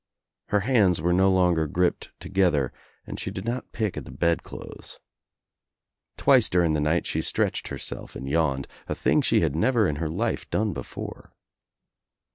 Her hands were no longer gripped together ^H and she did not pick at the bed clothes. Twice during ^B the night she stretched herself and yawned, a thing she had never in her life done before.